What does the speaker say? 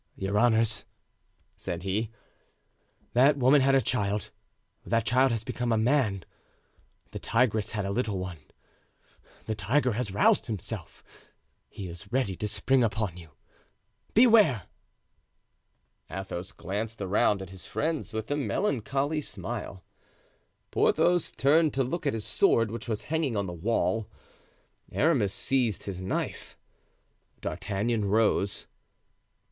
"Your honors," said he, "that woman had a child; that child has become a man; the tigress had a little one, the tiger has roused himself; he is ready to spring upon you—beware!" Athos glanced around at his friends with a melancholy smile. Porthos turned to look at his sword, which was hanging on the wall; Aramis seized his knife; D'Artagnan arose.